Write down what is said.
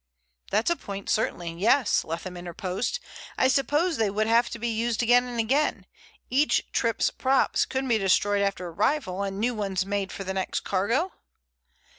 "That's a point, certainly; yes," Leatham interposed. "I suppose they would have to be used again and again? Each trip's props couldn't be destroyed after arrival, and new ones made for the next cargo?"